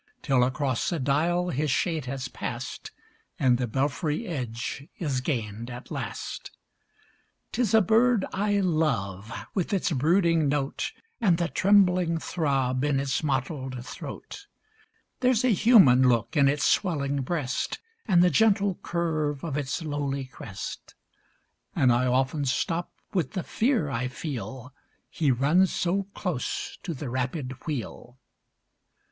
Till across the dial his shade has pass'd, And the belfry edge is gain'd at last. 'Tis a bird I love, with its brooding note, And the trembling throb in its mottled throat ; There's a human look in its swellinor breast, And the gentle curve of its lowly crest ; And I often stop with the fear I feel — He runs so close to the rapid wheel.